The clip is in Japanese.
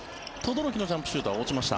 轟のジャンプシュートは落ちました。